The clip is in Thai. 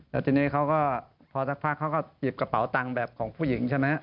แล้วทีนี้เขาก็พอสักพักเขาก็หยิบกระเป๋าตังค์แบบของผู้หญิงใช่ไหม